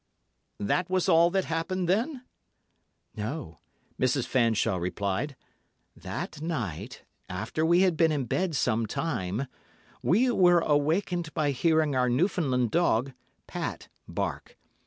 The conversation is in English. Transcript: "That was all that happened, then?" "No," Mrs. Fanshawe replied. "That night, after we had been in bed some time, we were awakened by hearing our Newfoundland dog, Pat, bark.